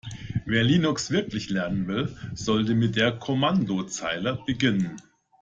Wer Linux wirklich lernen will, sollte mit der Kommandozeile beginnen.